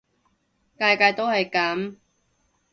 屆屆都係噉